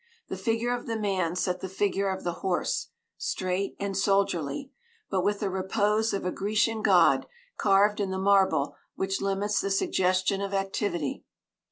The figure of the man sat the figure of the horse, straight and soldierly, but with the repose of a Grecian god carved in the marble which limits the suggestion of activity.